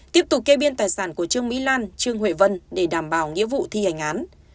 tiếp tục kê biên tài sản của trương mỹ lan trương huệ vân để đảm bảo nghĩa vụ thi hành án